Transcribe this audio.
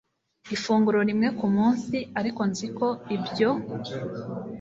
ifunguro rimwe ku munsi ariko nziko ibyo